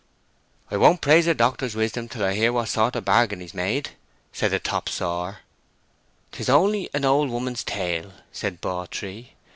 "I won't praise the doctor's wisdom till I hear what sort of bargain he's made," said the top sawyer. "'Tis only an old woman's tale," said Bawtree.